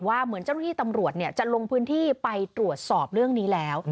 เหมือนเจ้าหน้าที่ตำรวจจะลงพื้นที่ไปตรวจสอบเรื่องนี้แล้ว